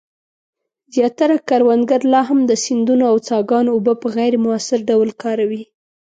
زیاتره کروندګر لا هم د سیندونو او څاګانو اوبه په غیر مؤثر ډول کاروي.